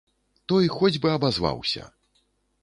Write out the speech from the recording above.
Той хоць бы абазваўся.